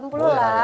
boleh lah ya